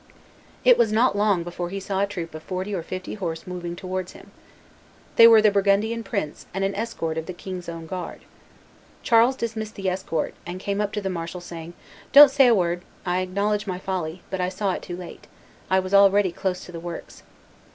It was not long before he saw a troop of forty or fifty horse moving towards him. They were the Burgundian prince and an escort of the king's own guard. Charles dismissed the escort, and came up to the marshal, saying, "Don't say a word; I acknowledge my folly; but I saw it too late; I was already close to the works."